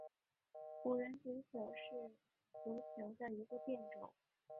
五人足球是足球的一个变种。